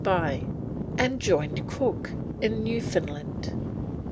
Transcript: Spy, and joined Cook in Newfoundland.